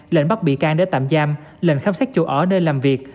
lệnh bắt bị can để tạm giam lệnh khám xét chỗ ở nơi làm việc